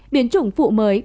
biến chủng phụ mới